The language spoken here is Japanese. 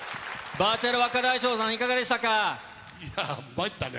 バーチャル若大将さん、いかがで参ったね。